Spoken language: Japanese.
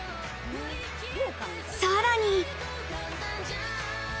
さらに。